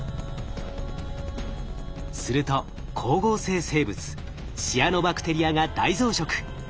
すると光合成生物シアノバクテリアが大増殖。